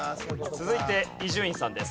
続いて伊集院さんです。